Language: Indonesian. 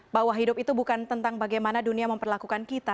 bahwa hidup itu bukan tentang bagaimana dunia memperlakukan kita